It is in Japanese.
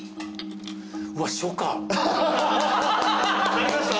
なりました？